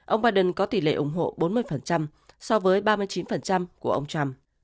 ông biden có tỷ lệ ủng hộ bốn mươi so với ba mươi chín của ông trump